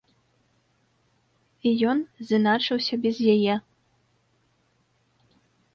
І ён з'іначыўся без яе.